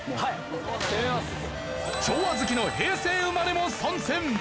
昭和好きの平成生まれも参戦！